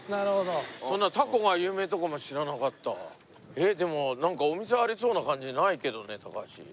えっでもなんかお店ありそうな感じないけどね高橋。